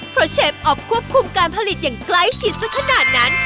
เพราะเชฟออฟควบคุมการผลิตอย่างใกล้ชิดสักขนาดนั้น